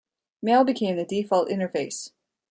Mail became the default interface.